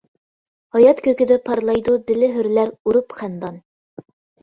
ھايات كۆكىدە پارلايدۇ دىلى ھۆرلەر ئۇرۇپ خەندان.